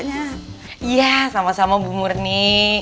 iya iya sama sama bu murni